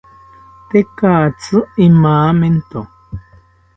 Tekatzi imamento